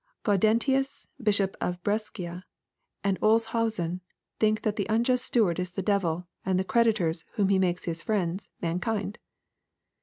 Gaudentius, Bishop of Brescia, and Olshausen think that the unjust steward is the devil, and the creditors, whom he makes his friends, mankind.